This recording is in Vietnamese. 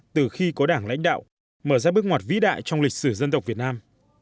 từ khi có đảng lãnh đạo mở ra bước ngoặt vĩ đại trong lịch sử dân tộc việt nam